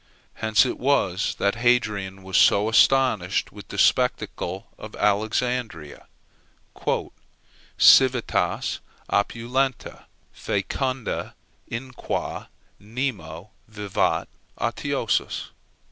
Hence it was that Hadrian was so astonished with the spectacle of Alexandria, "civitas opulenta, fæcunda, in qua nemo vivat otiosus."